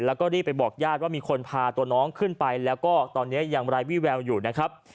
แล้วก็รีบไปบอกญาติว่ามีคนพาตัวน้องขึ้นไปแล้วก็ตอนนี้ยังไร้วี่แววอยู่นะครับ